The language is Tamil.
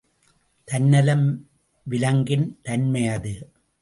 தன்னலம் விலங்கின் தன்மையது.